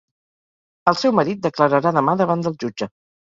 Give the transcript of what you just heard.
El seu marit declararà demà davant del jutge.